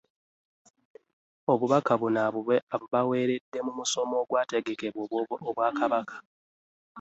Obubaka buno abubaweeredde mu musomo ogwategekeddwa Obwakabaka